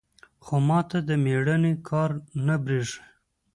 خو ما ته د ميړانې کار نه بريښي.